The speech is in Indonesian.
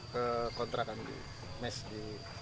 ke kontrakan di mes di